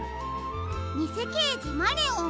「にせけいじマネオン